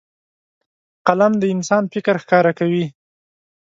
قلم د انسان فکر ښکاره کوي